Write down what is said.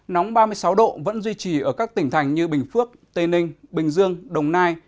nóng ba mươi sáu độ vẫn duy trì ở các tỉnh thành như bình phước tây ninh bình dương đồng nai